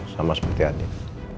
sama seperti andin